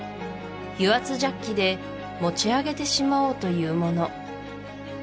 油圧ジャッキで持ち上げてしまおうというもの